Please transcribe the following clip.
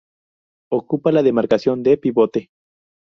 Ocupa la demarcación de pivote.